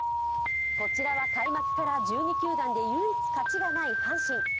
こちらは開幕から１２球団で唯一勝ちがない阪神。